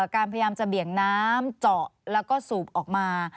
พยายามจะเบี่ยงน้ำเจาะแล้วก็สูบออกมา